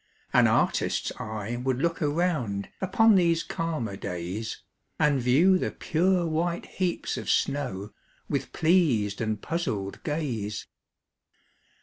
An artist's eye would look around, Upon these calmer days, And view the pure white heaps of snow, With pleas'd and puzzl'd gaze.